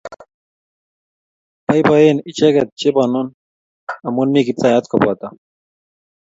Boiboen ichek che bonon amu mi Kiptayat kopoto